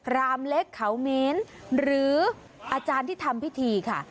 รามเล็กเขามีนหรืออาจารย์ที่ทำพิธีค่ะ